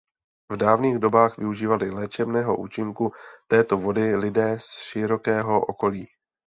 V dávných dobách využívali léčebného účinku této vody lidé s širokého okolí.